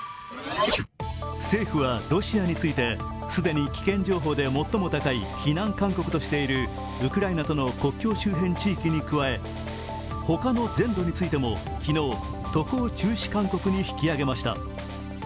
政府はロシアについて、既に危険情報で最も高い避難勧告としているウクライナとの国境周辺地域に加え他の全土についても昨日、渡航中止勧告に引き上げました。